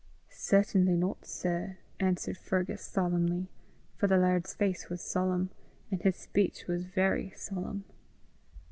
"Certainly not, sir," answered Fergus solemnly, for the laird's face was solemn, and his speech was very solemn.